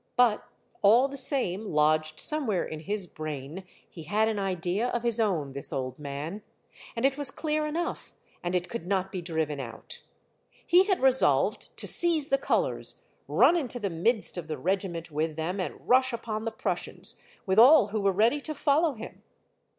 But all the same, lodged somewhere in his brain, he had an idea of his own, this old man ! And it was clear enough, and it could not be driven out ! He had resolved to seize the colors, run into the midst of the regiment with them, and rush upon the Prussians, with all who were ready to follow him.